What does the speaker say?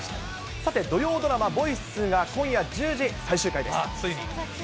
さて土曜ドラマ、ボイス２が、今夜１０時最終回です。